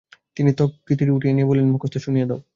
তিনি তখতিটি উঠিয়ে নিয়ে বললেন, মুখস্থ শুনিয়ে দাও।